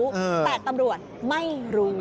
แต่ตำรวจไม่รู้